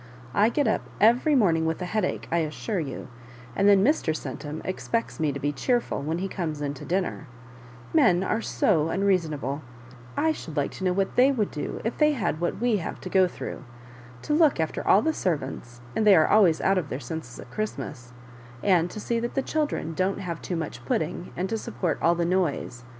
I get up every morning with a headache, I assure you ; and then Mr. Centum expects me to be cheerful when he comes into dinner; men are sO' unreasonabla I should like to know what Ihey would do if they had what we have to go through : to look after all the servants— and they are always out of their senses at Christ Digitized by VjOOQIC 31ISS lIABJOBIBAKKa mas — and to see that the children don't have too much pudding, and to support all the noise.